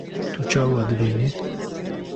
Tu çawa dibînî?